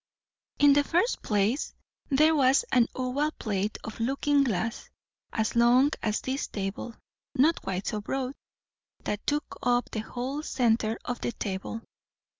"In the first place, there was an oval plate of looking glass, as long as this table not quite so broad that took up the whole centre of the table."